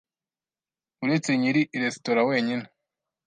uretse nyiri resitora wenyine